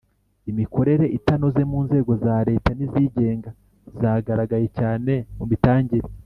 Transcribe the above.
Imikorere itanoze mu nzego za Leta n izigenga yagaragaye cyane mu mitangire